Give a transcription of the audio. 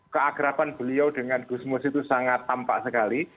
keakrapan beliau dengan gusmus itu sangat tampak sekali